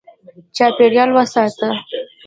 چاپېریال وساته.